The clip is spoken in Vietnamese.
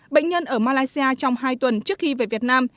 bệnh nhân ở malaysia trong hai tuần trước khi về việt nam